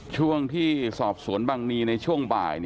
ช่วงที่สอบสวนบังนีในช่วงบ่าย